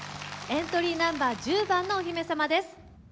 エントリーナンバー１０番のお姫様です。